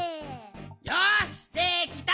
よしできた！